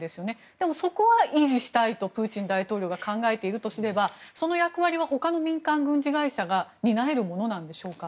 でもそこは維持したいとプーチン大統領が考えているとすればその役割は他の民間軍事会社が担えるものなんでしょうか。